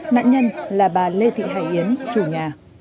nạn nhân là bà lê thị hải yến chủ nhà